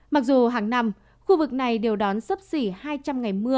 mặc dù hàng năm khu vực này đều đón sấp xỉ hai trăm linh ngày mưa